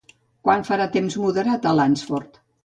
Quan farà temps moderat a Lansford?